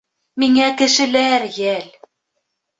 Миңә кешеләр йәл!